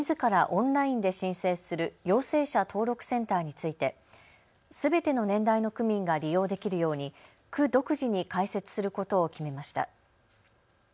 オンラインで申請する陽性者登録センターについてすべての年代の区民が利用できるように区独自に開設することを決めました。